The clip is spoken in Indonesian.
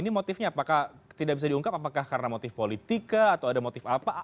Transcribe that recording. ini motifnya apakah tidak bisa diungkap apakah karena motif politika atau ada motif apa